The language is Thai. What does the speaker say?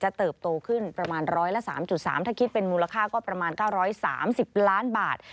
เติบโตขึ้นประมาณ๑๐๓๓ถ้าคิดเป็นมูลค่าก็ประมาณ๙๓๐ล้านบาท